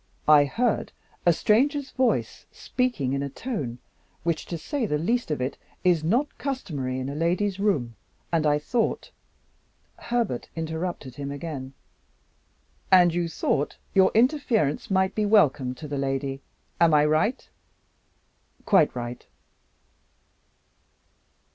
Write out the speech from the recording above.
I heard a stranger's voice, speaking in a tone which, to say the least of it, is not customary in a lady's room and I thought " Herbert interrupted him again. "And you thought your interference might be welcome to the lady! Am I right?" "Quite right."